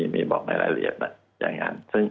มีบอกในรายละเอียดอย่างนั้น